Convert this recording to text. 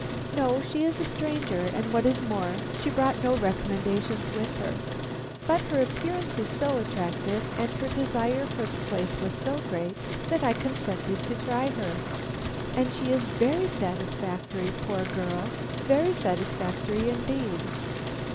"No, she is a stranger, and what is more, she brought no recommendations with her. But her appearance is so attractive and her desire for the place was so great, that I consented to try her. And she is very satisfactory, poor girl! very satisfactory indeed!"